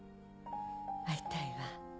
会いたいわ。